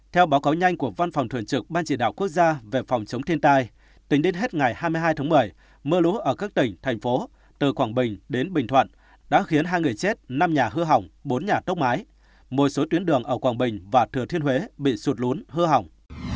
theo báo cáo nhanh của văn phòng thường trực ban chỉ đạo quốc gia về phòng chống thiên tai tính đến hết ngày hai mươi hai tháng một mươi mưa lũ ở các tỉnh thành phố từ quảng bình đến bình thuận đã khiến hai người chết năm nhà hư hỏng bốn nhà tốc mái một số tuyến đường ở quảng bình và thừa thiên huế bị sụt lún hư hỏng